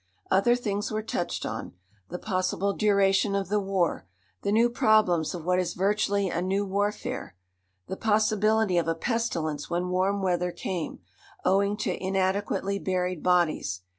Other things were touched on the possible duration of the war, the new problems of what is virtually a new warfare, the possibility of a pestilence when warm weather came, owing to inadequately buried bodies.